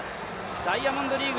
ダイヤモンドリーグ